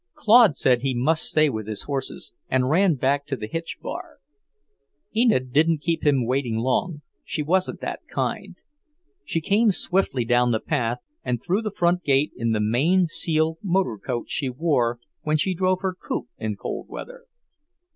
Claude said he must stay with his horses, and ran back to the hitch bar. Enid didn't keep him waiting long; she wasn't that kind. She came swiftly down the path and through the front gate in the Maine seal motor coat she wore when she drove her coupe in cold weather.